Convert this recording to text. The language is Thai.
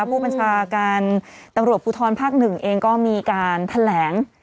ผู้บัญชาการตำรวจภูทรภาค๑เองก็มีการแถลง